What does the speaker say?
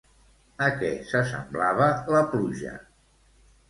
A què s'assemblava la pluja?